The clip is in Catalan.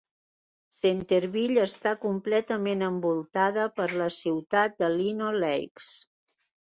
Centerville està completament envoltada per la ciutat de Lino Lakes.